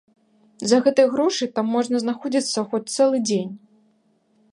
За гэтыя грошы там можна знаходзіцца хоць цэлы дзень.